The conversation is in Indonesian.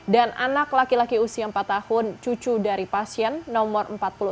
dan anak laki laki usia empat tahun cucu dari pasien nomor empat puluh enam